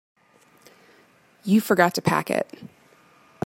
You forgot to pack it.